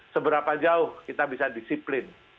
seberapa jauh kita bisa disiplin